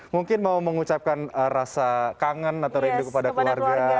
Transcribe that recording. mungkin mau mengucapkan rasa kangen atau rindu kepada keluarga